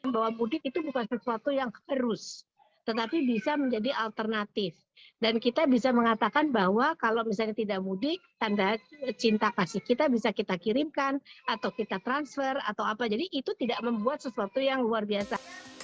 bahwa mudik itu bukan sesuatu yang harus tetapi bisa menjadi alternatif dan kita bisa mengatakan bahwa kalau misalnya tidak mudik tanda cinta kasih kita bisa kita kirimkan atau kita transfer atau apa jadi itu tidak membuat sesuatu yang luar biasa